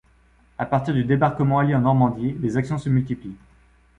À partir du débarquement allié en Normandie, les actions se multiplient.